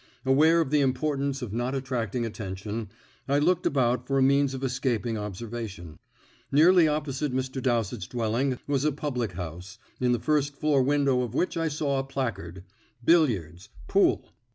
Aware of the importance of not attracting attention, I looked about for a means of escaping observation. Nearly opposite Mr. Dowsett's dwelling was a public house, in the first floor window of which I saw a placard, "Billiards. Pool."